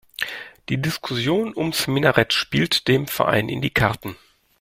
Die Diskussion ums Minarett spielt dem Verein in die Karten.